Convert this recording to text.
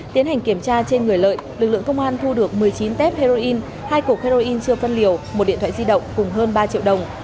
tiến hành kiểm tra trên người lợi lực lượng công an thu được một mươi chín tép heroin hai cổ heroin chưa phân liều một điện thoại di động cùng hơn ba triệu đồng